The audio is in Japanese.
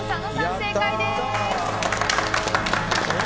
正解です。